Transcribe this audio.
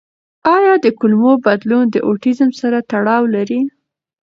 آیا د کولمو بدلون د اوټیزم سره تړاو لري؟